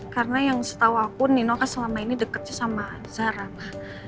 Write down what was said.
karena yang setahu aku nino kan selama ini deketnya sama zara ma